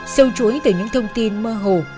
sâu chuối từ những thông tin mơ hồ